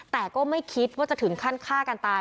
แต่ก็ไม่คิดว่าจะถึงขั้นฆ่ากันตาย